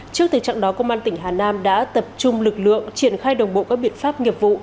trước thực trạng đó công an tỉnh hà nam đã tập trung lực lượng triển khai đồng bộ các biện pháp nghiệp vụ